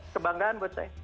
kebanggaan buat saya